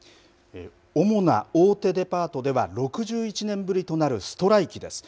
主な大手デパートでは６１年ぶりとなるストライキです。